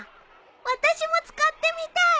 私も使ってみたい！